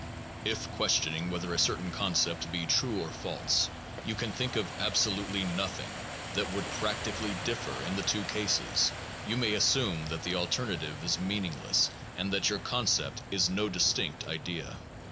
If, questioning whether a certain concept be true or false, you can think of absolutely nothing that would practically differ in the two cases, you may as sume that the alternative is meaningless and that your concept is no distinct idea.